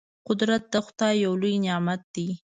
قدرت د خدای یو لوی نعمت دی.